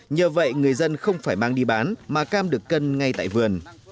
nhờ vậy người dân không phải mang đi bán mà cam được cân ngay tại vườn